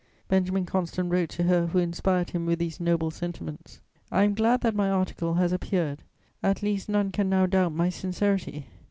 Benjamin Constant wrote to her who inspired him with these noble sentiments: "I am glad that my article has appeared; at least none can now doubt my sincerity.